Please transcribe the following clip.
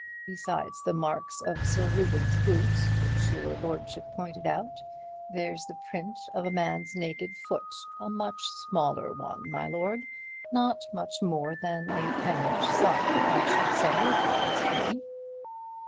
Besides the marks of Sir Reuben's boots which your lordship pointed out, there's the print of a man's naked foot—a much smaller one, my lord, not much more than a ten inch sock, I should say if you asked me."